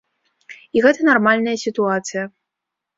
І гэта нармальная сітуацыя.